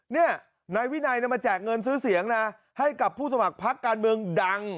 นี่นายวินัยมาแจกเงินซื้อเสียงนะให้กับผู้สมัครพักการเมืองดัง